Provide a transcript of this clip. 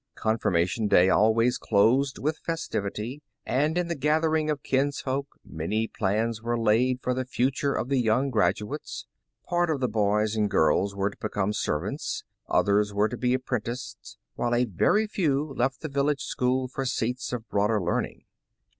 Confirmation Day always closed with festivity, and in the gathering of kinsfolk, many plans were laid for the future of the young graduates. Part of the boys and girls were to become servants; others were to be apprenticed ; while a very few left the village school for seats of broader learning.